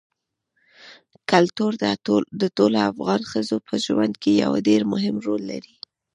کلتور د ټولو افغان ښځو په ژوند کې یو ډېر مهم رول لري.